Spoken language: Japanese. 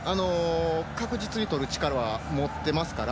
確実に取る力は持っていますから。